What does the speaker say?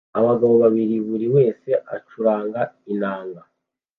Abagabo babiri buri wese acuranga inanga